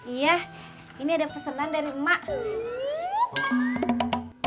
iya ini ada pesanan dari emak nih